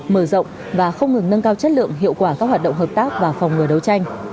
mở rộng và không ngừng nâng cao chất lượng hiệu quả các hoạt động hợp tác và phòng ngừa đấu tranh